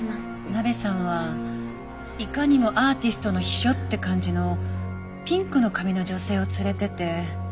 ナベさんはいかにもアーティストの秘書って感じのピンクの髪の女性を連れてて。